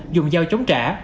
dùng dao chống trả